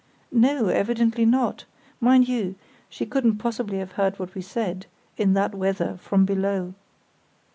"No, evidently not. Mind you, she couldn't possibly have heard what we said, in that weather, from below.